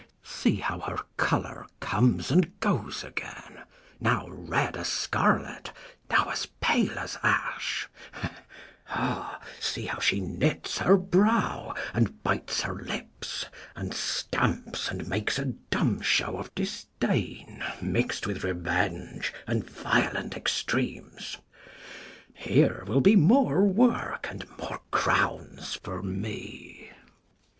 See how her colour comes and goes again, Now red as scarlet, now as pale as ash : 1 5 See how she knits her brow, and bites her lips, And stamps, and makes a dumb show of disdain, Mix'd with revenge, and violent extremes. Here will be more work and more crowns for me.